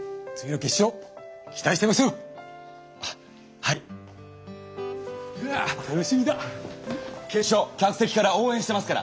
決勝客席から応えんしてますから！